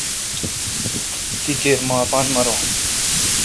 تی کیر مہ اپان ماروں۔